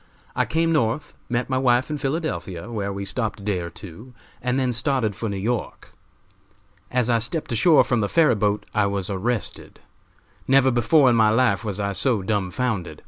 I came North, met my wife in Philadelphia, where we stopped a day or two, and then started for New York. As I stepped ashore from the ferry boat I was arrested. Never before in my life was I so dumbfounded.